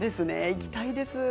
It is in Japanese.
行きたいです。